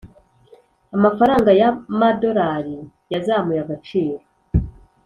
Amafaranga ya amadorali yazamuye agaciro